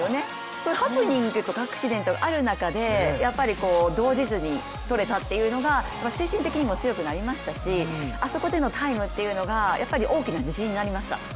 そういうハプニングとかアクシデントがある中で動じずに取れたというのが精神的にも強くなりましたしあそこでのタイムというのが大きな自信になりました。